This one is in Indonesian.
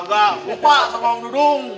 ini balaga bukak sama om dudung